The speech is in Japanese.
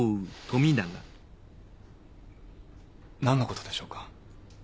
何のことでしょうか？